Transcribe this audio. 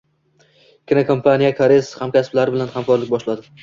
Kinokompaniyasikoreys hamkasblari bilan hamkorlik boshladi